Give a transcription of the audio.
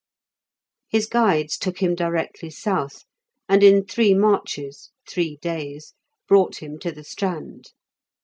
His guides took him directly south, and in three marches (three days) brought him to the strand.